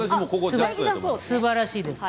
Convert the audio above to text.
すばらしいです。